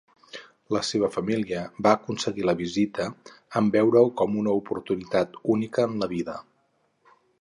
La seva família va consentir la visita, en veure-ho com una oportunitat única en la vida.